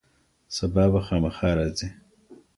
سبا به خامخا راځي.